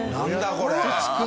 これ。